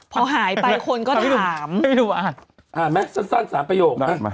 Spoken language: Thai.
พอหายไปคนก็ถามอ่านไหมสั้น๓ประโยคนะ